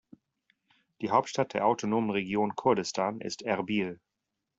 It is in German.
Die Hauptstadt der autonomen Region Kurdistan ist Erbil.